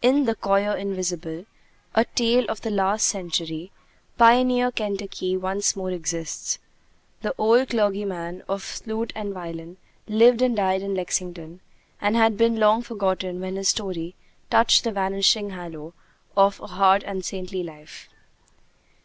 In 'The Choir Invisible,' a tale of the last century, pioneer Kentucky once more exists. The old clergyman of 'Flute and Violin' lived and died in Lexington, and had been long forgotten when his story "touched the vanishing halo of a hard and saintly life."